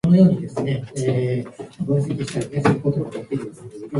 新宿は豪雨